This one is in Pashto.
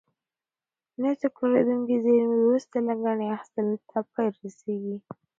نه تکرارېدونکې زېرمې وروسته له ګټې اخیستنې پای ته رسیږي.